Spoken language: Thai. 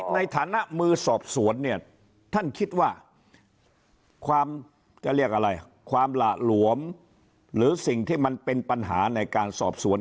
ในฐานะมือสอบสวนท่านคิดว่าความหละหลวมหรือสิ่งที่มันเป็นปัญหาในการสอบสวน